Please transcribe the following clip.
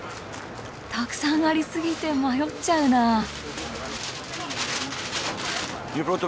たくさんありすぎて迷っちゃうなぁ。